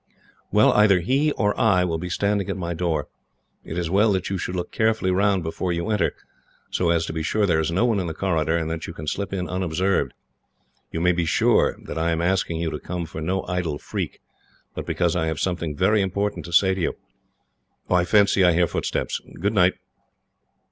"Well, either he or I will be standing at my door. It is as well that you should look carefully round, before you enter, so as to be sure there is no one in the corridor, and that you can slip in unobserved. You may be sure that I am asking you to come for no idle freak, but because I have something very important to say to you. "I fancy I hear footsteps. Good night."